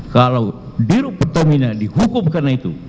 kalau biru pertamina dihukum karena itu